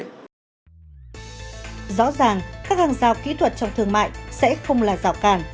rõ ràng các hàng giao kỹ thuật trong thương mại sẽ không là rào cản